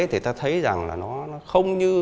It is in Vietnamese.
thì ta thấy rằng là nó không như